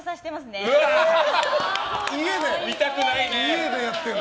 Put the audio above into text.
見たくないね。